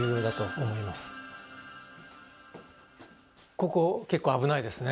ここ結構危ないですね。